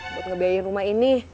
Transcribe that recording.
buat ngebiayain rumah ini